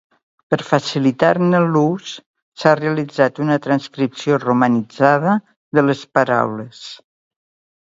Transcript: Per facilitar-ne l'ús s'ha realitzat una transcripció romanitzada de les paraules.